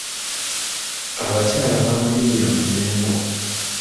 Abakyala baamulindira mu Mmengo.